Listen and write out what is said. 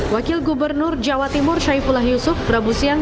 wakil gubernur jawa timur syaifullah yusuf rabu siang